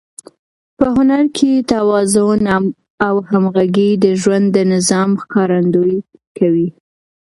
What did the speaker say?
په هنر کې توازن او همغږي د ژوند د نظم ښکارندويي کوي.